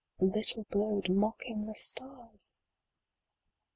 A little bird mocking the stars